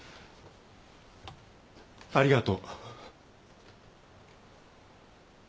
ありがとう。